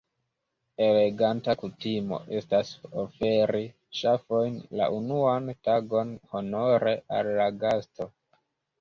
Eleganta kutimo estas oferi ŝafojn la unuan tagon honore al la gasto.